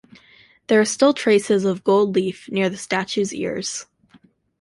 There are still traces of gold leaf near the statue's ears.